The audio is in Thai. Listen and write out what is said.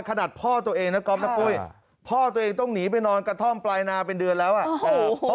พ่อตัวเองนะก๊อฟนะปุ้ยพ่อตัวเองต้องหนีไปนอนกระท่อมปลายนาเป็นเดือนแล้วอ่ะ